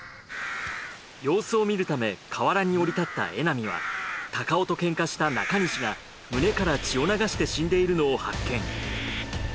様子を見るため河原に降り立った江波は孝夫とケンカした中西が胸から血を流して死んでいるのを発見。